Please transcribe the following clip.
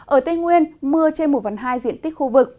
ở tây nguyên mưa trên một phần hai diện tích khu vực